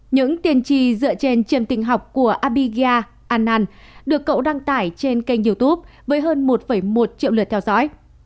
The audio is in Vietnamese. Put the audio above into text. những tiền trì dựa trên triềm tình học của abiga anand được cậu đăng tải trên kênh youtube với hơn một một triệu lượt theo dõi